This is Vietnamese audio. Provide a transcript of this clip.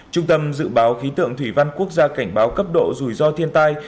trung tâm dự báo khí tượng thủy văn quốc gia cảnh báo cấp độ rủi ro thiên tai